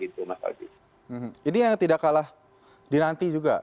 jadi yang tidak kalah dinanti juga